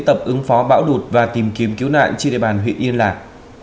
tập ứng phó bão lụt và tìm kiếm cứu nạn trên địa bàn huyện yên lạc